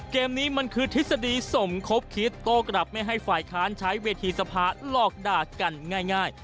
เกมนี้มันคือทฤษฎีสมคบคิดโต้กลับไม่ให้ฝ่ายค้านใช้เวทีสภาหลอกด่ากันง่าย